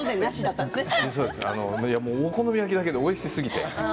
お好み焼きだけでおいしすぎて。